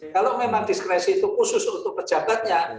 kalau memang diskresi itu khusus untuk pejabatnya